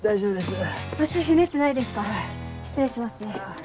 失礼しますね。